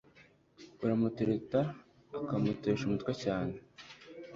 aramutereta akamutesha umutwe cyane